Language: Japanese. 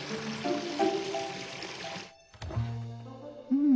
うん。